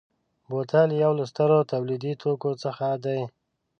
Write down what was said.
بوتل یو له سترو تولیدي توکو څخه دی.